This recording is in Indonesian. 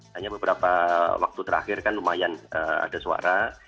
hanya beberapa waktu terakhir kan lumayan ada suara